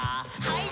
はい。